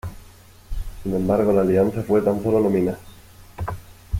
Sin embargo la alianza fue tan solo nominal.